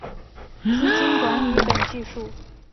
资金管理等技术